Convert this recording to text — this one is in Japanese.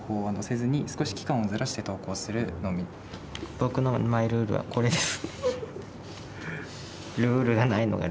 僕のマイルールはこれです。